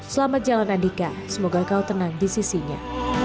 selamat jalan andika semoga kau tenang di sisinya